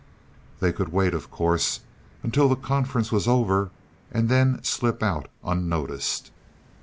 They could wait, of course, until the conference was over, and then slip out unnoticed.